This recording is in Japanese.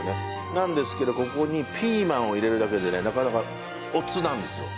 なんですけどここにピーマンを入れるだけでねなかなか乙なんですよ。